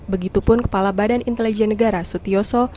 begitupun kepala badan intelijen negara sutioso